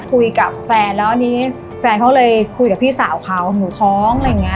คุยกับแฟนแล้วอันนี้แฟนเขาเลยคุยกับพี่สาวเขาหนูท้องอะไรอย่างเงี้